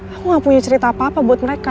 aku gak punya cerita apa apa buat mereka